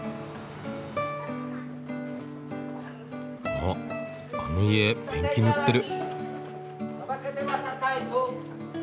あっあの家ペンキ塗ってる。